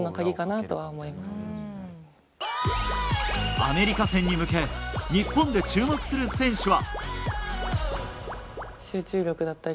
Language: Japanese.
アメリカ戦に向け日本で注目する選手は。